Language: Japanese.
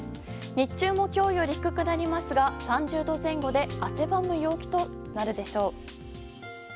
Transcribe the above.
日中も今日より低くなりますが３０度前後で汗ばむ陽気となるでしょう。